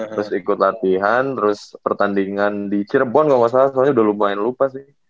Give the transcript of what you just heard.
terus ikut latihan terus pertandingan di cirebon ga masalah soalnya udah lumayan lupa sih